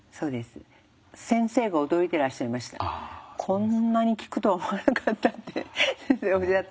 「こんなに効くとは思わなかった」って先生おっしゃって。